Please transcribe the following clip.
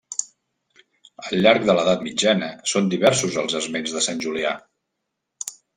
Al llarg de l'edat mitjana són diversos els esments de Sant Julià.